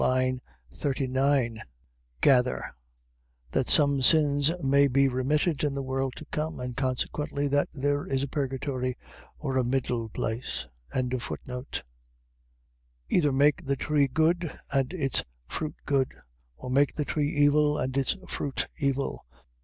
39) gather, that some sins may be remitted in the world to come; and, consequently, that there is a purgatory or a middle place. 12:33. Either make the tree good and its fruit good: or make the tree evil, and its fruit evil.